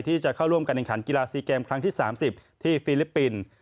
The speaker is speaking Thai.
ที่จะเข้าร่วมการแข่งขันกีฬาซีเกมครั้งที่๓๐ที่ฟิลิปปินส์